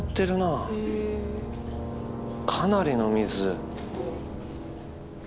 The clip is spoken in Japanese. かなりの水。